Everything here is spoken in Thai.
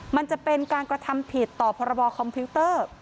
มันจะเป็นการกระทำผิดต่อพรบคอมพิวเตอร์